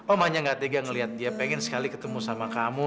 om hanya gak tega ngelihat dia pengen sekali ketemu sama kamu